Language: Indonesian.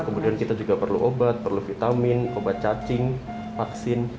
kemudian kita juga perlu obat perlu vitamin obat cacing vaksin